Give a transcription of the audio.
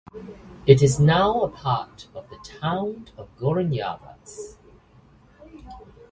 It is now part of the town of Gorenja Vas.